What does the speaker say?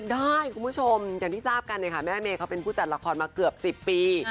ได้คุณผู้ชมอย่างที่ทราบกันเนี่ยค่ะแม่เมย์เขาเป็นผู้จัดละครมาเกือบ๑๐ปี